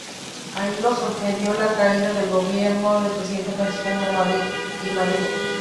Ahí lo sorprendió la caída del gobierno del presidente Francisco I. Madero.